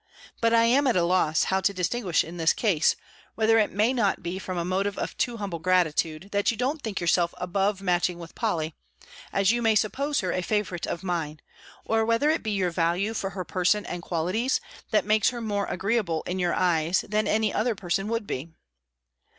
But I am at a loss how to distinguish in this case; whether it may not be from a motive of too humble gratitude, that you don't think yourself above matching with Polly, as you may suppose her a favourite of mine; or whether it be your value for her person and qualities, that makes her more agreeable in your eyes, than any other person would be."